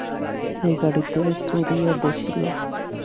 সে গাড়িতে চড়িয়া বসিল।